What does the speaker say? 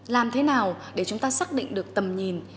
làm thế nào để chúng ta xác định được tầm nhìn